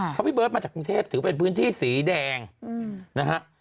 เพราะพี่เบิร์ตมาจากกรุงเทพถือเป็นพื้นที่สีแดงนะฮะ